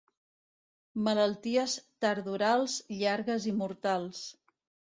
Malalties tardorals, llargues i mortals.